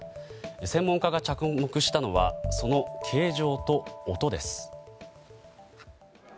専門家が着目したのはその形状と音です。